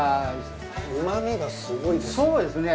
うまみがすごいですね。